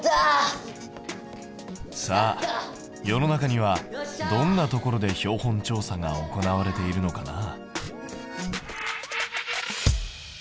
さあ世の中にはどんなところで標本調査が行われているのかな？